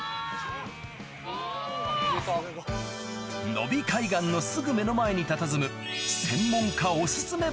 野比海岸のすぐ目の前にたたずむ専門家